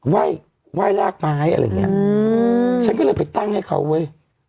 ไหว้ไหว้ลากไม้อะไรอย่างเงี้ยอืมฉันก็เลยไปตั้งให้เขาเว้ย